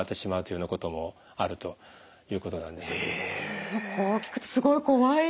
こう聞くとすごい怖いですよね。